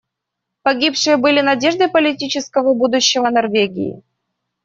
Погибшие были надеждой политического будущего Норвегии.